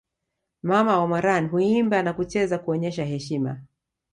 Mama wa Moran huimba na kucheza kuonyesha heshima